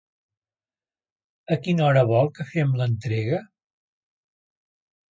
A quina hora vol que fem l'entrega?